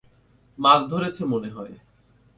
মাছ ধরছে মনে হয়।